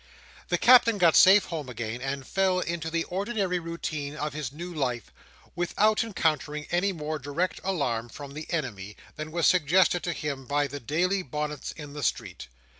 The Captain got safe home again, and fell into the ordinary routine of his new life, without encountering any more direct alarm from the enemy, than was suggested to him by the daily bonnets in the street.